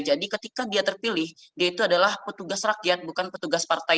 jadi ketika dia terpilih dia itu adalah petugas rakyat bukan petugas partai